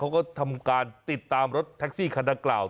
เขาก็ทำการติดตามรถแท็กซี่คันดังกล่าว